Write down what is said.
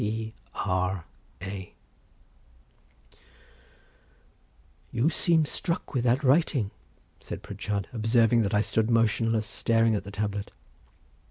P. A. "You seem struck with that writing?" said Pritchard, observing that I stood motionless, staring at the tablet.